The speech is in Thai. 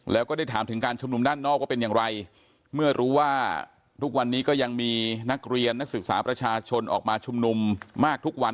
แล้วก็ได้ถามถึงการชุมนุมด้านนอกว่าเป็นอย่างไรเมื่อรู้ว่าทุกวันนี้ก็ยังมีนักเรียนนักศึกษาประชาชนออกมาชุมนุมมากทุกวัน